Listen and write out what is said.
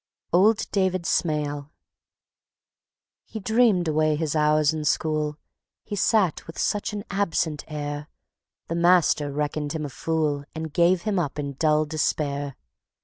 Old David Smail He dreamed away his hours in school; He sat with such an absent air, The master reckoned him a fool, And gave him up in dull despair.